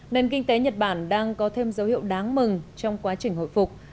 nền kinh tế nhật bản đang có thêm dấu hiệu đáng mừng trong quá trình hồi phục